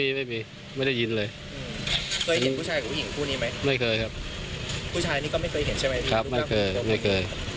ครับไม่เคยไม่เคยไม่รู้มีอะไรไม่รู้ถ้าคนในห้องเขาอยู่ข้างไม่รู้ไอ้เนี้ย